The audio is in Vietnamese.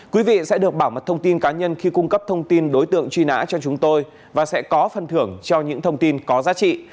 quý vị sẽ được bảo mật thông tin cá nhân khi cung cấp thông tin đối tượng truy nã cho chúng tôi và sẽ có phân thưởng cho những thông tin có giá trị